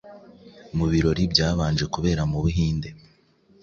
Mu birori byabanje kubera mu Buhinde